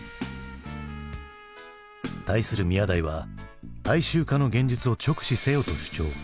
対する宮台は大衆化の現実を直視せよと主張。